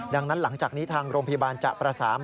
ดังนั้นหลังจากนี้ทางโรงพยาบาลจะประสาน